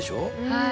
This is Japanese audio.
はい。